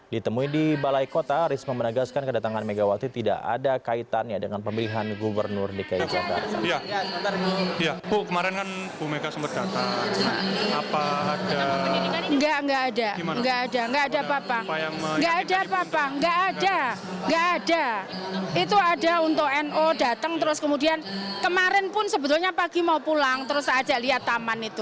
ditemui di balai kota risma menegaskan kedatangan megawati tidak ada kaitannya dengan pemilihan gubernur dki jakarta